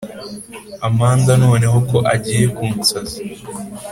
amanda noneho ko agiye kunsaza,